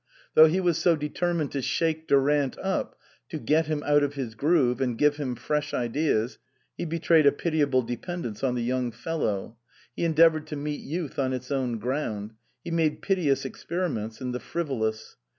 Though he was so determined to shake Durant up, to get him out of his groove, and give him fresh ideas, he betrayed a pitiable dependence on the young fellow. He endeavoured to meet youth on its own ground ; he made piteous ex periments in the frivolous.